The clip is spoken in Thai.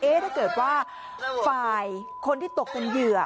ถ้าเกิดว่าฝ่ายคนที่ตกเป็นเหยื่อ